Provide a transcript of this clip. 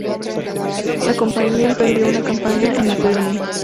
La Compañía emprendió una campaña en Macedonia.